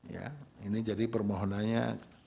ya ini jadi permohonannya